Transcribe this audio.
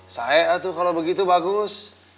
saya tuh kalau begitu bagus